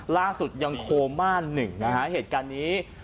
ล่าสุดยังโคม่าหนึ่งนะฮะเหตุการณ์นี้